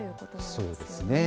そうですね。